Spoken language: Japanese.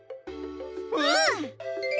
うん！